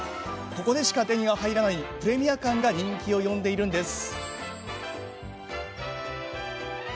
ここでしか手に入らないプレミア感が人気を呼んでいるんです。